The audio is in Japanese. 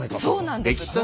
そうなんです。